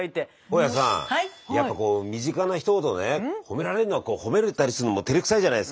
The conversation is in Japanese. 大家さんやっぱこう身近な人ほどねほめられるのはほめたりするのもてれくさいじゃないすか。